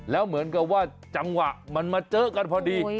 แล้วเหมือนกับว่าจังหวะมันมาเจอกันพอดี